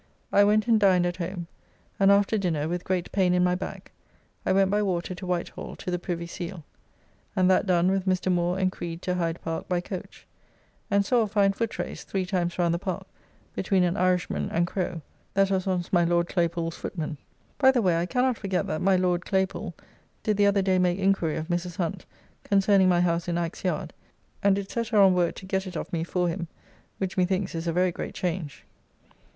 I went and dined at home, and after dinner with great pain in my back I went by water to Whitehall to the Privy Seal, and that done with Mr. Moore and Creed to Hide Park by coach, and saw a fine foot race three times round the Park between an Irishman and Crow, that was once my Lord Claypoole's footman. (By the way I cannot forget that my Lord Claypoole did the other day make enquiry of Mrs. Hunt, concerning my House in Axe yard, and did set her on work to get it of me for him, which methinks is a very great change.)